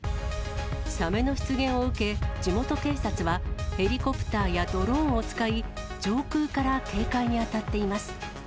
サメの出現を受け地元警察は、ヘリコプターやドローンを使い、上空から警戒に当たっています。